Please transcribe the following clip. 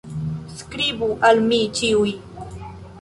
Skribu al mi ĉiuj!